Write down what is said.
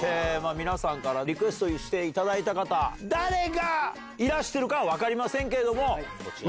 皆さんからリクエストしていただいた方誰がいらしてるかは分かりませんけれどもこちらに。